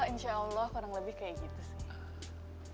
insya allah kurang lebih kayak gitu sih